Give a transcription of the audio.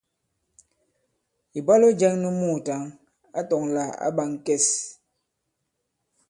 Ìbwalo jɛ̄ŋ nu muùtaŋ a tɔ̄ŋ lā ǎ ɓā ŋ̀kɛs.